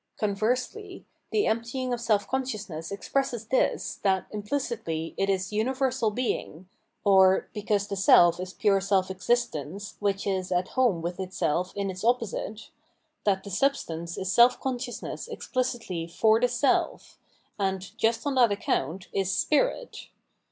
Conversely, the emptying of self consciousness expresses this, that imphcitly it is Universal Being, or — because the self is pure self existence, which is at home with itseh in its opposite — that the substance is self consciousness exphcitly for the self, and, just on that account, is spirit.